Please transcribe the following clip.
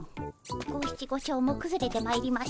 五七五調もくずれてまいりました。